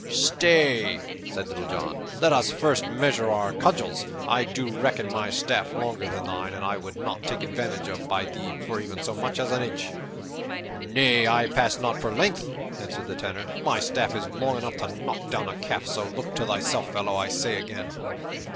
"Stay!" said Little John. "Let us first measure our cudgels. I do reckon my staff longer than thine, and I would not take vantage of thee by even so much as an inch." "Nay, I pass not for length," answered the Tanner. "My staff is long enough to knock down a calf; so look to thyself, fellow, I say again."